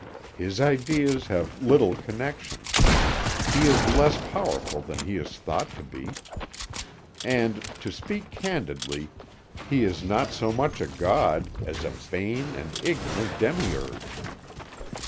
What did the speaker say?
His ideas have little connection; He is less powerful than He is thought to be. And, to speak candidly, He is not so much a god as a vain and ignorant demiurge.